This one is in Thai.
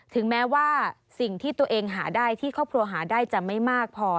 ถึงแม้ว่าสิ่งที่ตัวเองหาได้ที่ครอบครัวหาได้จะไม่มากพอ